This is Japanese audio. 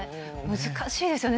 難しいですよね。